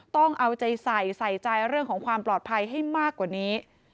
ต้องเอาใจใส่ใส่ใจเรื่องของความปลอดภัยให้มากกว่านี้